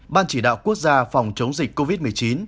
ban chỉ đạo quốc gia phòng chống dịch covid một mươi chín